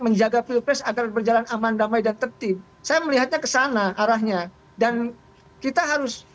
menjaga pilpres agar berjalan aman damai dan tertib saya melihatnya kesana arahnya dan kita harus